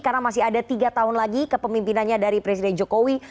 karena masih ada tiga tahun lagi kepemimpinannya dari presiden jokowi